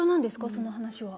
その話は。